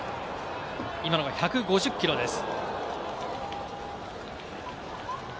今のが１５０キロです。